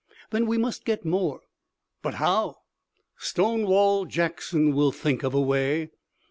"Then we must get more." "But how?" "Stonewall Jackson will think of a way."